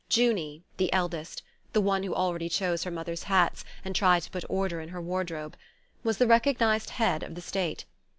Junie, the eldest (the one who already chose her mother's hats, and tried to put order in her wardrobe) was the recognized head of the state.